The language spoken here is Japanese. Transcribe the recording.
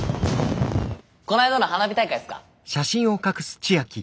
こないだの花火大会っすか？